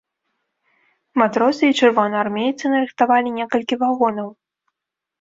Матросы і чырвонаармейцы нарыхтавалі некалькі вагонаў.